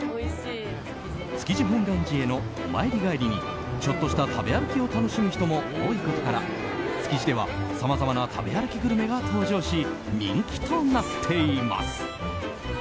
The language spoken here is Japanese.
築地本願寺へのお参り帰りにちょっとした食べ歩きを楽しむ人も多いことから築地では、さまざまな食べ歩きグルメが登場し人気となっています。